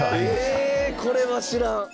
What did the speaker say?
高橋：これは知らん！